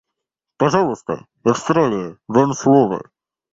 Пожалуйста, Австралия, вам слово.